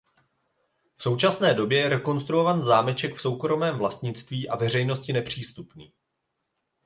V současné době je rekonstruovaný zámeček v soukromém vlastnictví a veřejnosti nepřístupný.